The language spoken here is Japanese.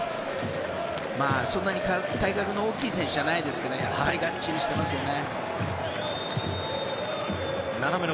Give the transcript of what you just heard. そんなに体格の大きい選手じゃないですけどガッチリしてますよね。